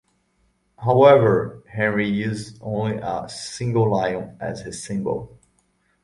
However, Henry used only a single lion as his symbol.